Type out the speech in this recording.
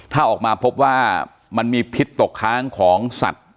ถ้าออกมาพบว่ามันมีพิษตกค้างของสัตว์